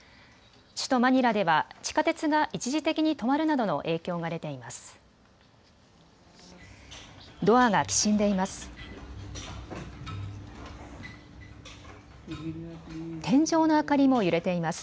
首都マニラでは地下鉄が一時的に止まるなどの影響が出ています。